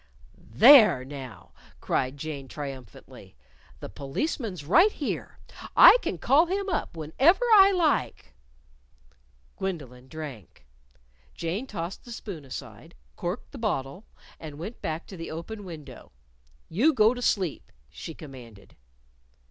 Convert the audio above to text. "There now!" cried Jane, triumphantly. "The policeman's right here. I can call him up whenever I like." Gwendolyn drank. Jane tossed the spoon aside, corked the bottle and went back to the open window. "You go to sleep," she commanded.